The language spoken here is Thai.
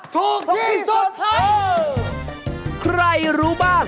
ถูกที่สุด